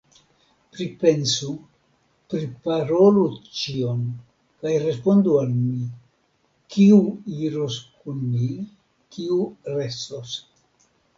Pripensu, priparolu ĉion kaj respondu al mi, kiu iros kun mi, kiu restos.